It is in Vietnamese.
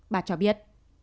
bà cho biết